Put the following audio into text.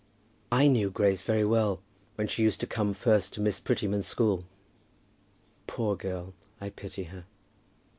"I knew Grace very well, when she used to come first to Miss Prettyman's school." "Poor girl. I pity her."